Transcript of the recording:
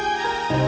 sampai jumpa lagi